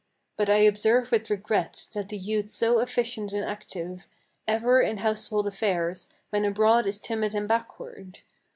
But I observe with regret, that the youth so efficient and active Ever in household affairs, when abroad is timid and backward.